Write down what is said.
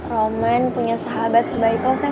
roman punya sahabat sebaik lo sam